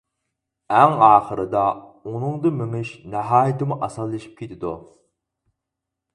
ئەڭ ئاخىرىدا ئۇنىڭدا مېڭىش ناھايىتىمۇ ئاسانلىشىپ كېتىدۇ.